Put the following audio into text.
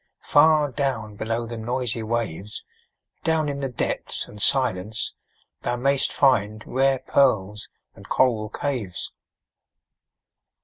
far down below the noisy waves, Down in the depths and silence thou mayst find Rare pearls and coral caves.